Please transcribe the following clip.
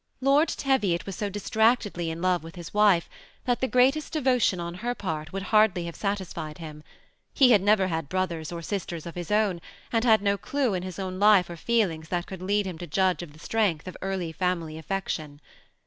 Lord Teviot was so distnCctedly in love with his wife, that the greatest devotion on her part would hardly have satisfied him ; he had never had brothers or sisters of his own, and had no clue in his own life or feelings that could lead him to judge of the strength of early family affection.